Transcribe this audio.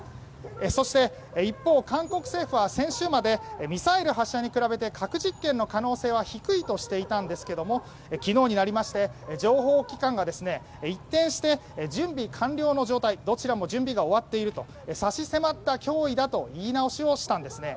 そして一方、韓国政府は先週までミサイル発射に比べて核実験の可能性は低いとしていたんですけども昨日になりまして情報機関が一転して準備完了の状態どちらも準備が終わっていると差し迫った脅威だと言い直しをしたんですね。